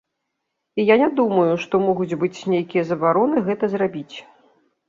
І я не думаю, што могуць быць нейкія забароны гэта зрабіць.